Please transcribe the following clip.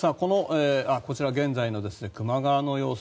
こちら、現在の球磨川の様子